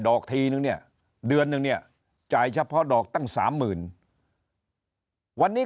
อกทีนึงเนี่ยเดือนนึงเนี่ยจ่ายเฉพาะดอกตั้งสามหมื่นวันนี้